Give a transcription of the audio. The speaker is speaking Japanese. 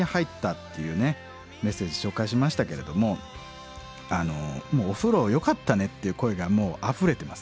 メッセージ紹介しましたけれども「お風呂よかったね」っていう声がもうあふれてます。